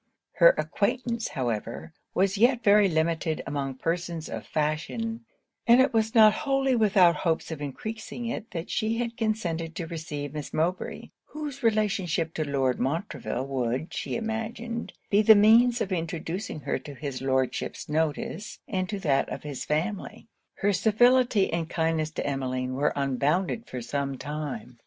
Her acquaintance, however, was yet very limited among persons of fashion; and it was not wholly without hopes of encreasing it that she had consented to receive Miss Mowbray, whose relationship to Lord Montreville would, she imagined, be the means of introducing her to his Lordship's notice and to that of his family. Her civility and kindness to Emmeline were unbounded for some time.